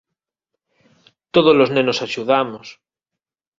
Todos os nenos axudamos.